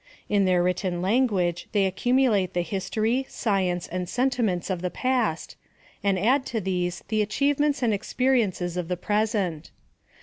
In theif written language they accumulate the history, science, and sentiments of the past, and add to these the achievements and experiences of the present.